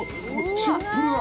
シンプルな。